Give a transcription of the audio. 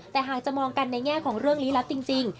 แต่หากจะมองกันในแง่ของเรื่องลี้ลับจริง